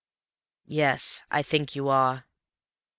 "Yes, I think you are."